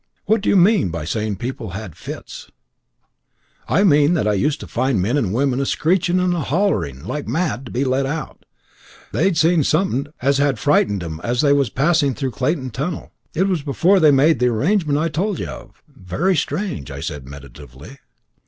"What do you mean by saying that people had fits?" "I mean that I used to find men and women a screeching and a hollering like mad to be let out; they'd seen some'ut as had frightened them as they was passing through the Clayton tunnel. That was before they made the arrangement I told y' of." "Very strange!" said I meditatively.